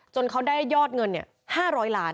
เขาได้ยอดเงิน๕๐๐ล้าน